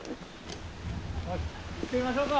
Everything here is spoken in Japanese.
よしいってみましょうか！